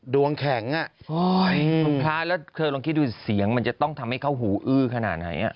ดุงแข็งอะโถโหยเพลดพลาดเธอลองคิดดูเสียงมันจะต้องทำให้เขาหูอื้อขนาดไหนอะ